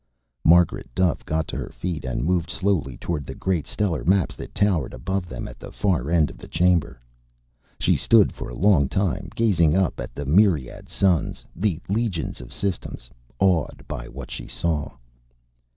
Margaret Duffe got to her feet and moved slowly toward the great stellar maps that towered above them at the far end of the chamber. She stood for a long time, gazing up at the myriad suns, the legions of systems, awed by what she saw.